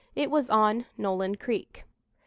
It was on Nolen Creek. "A.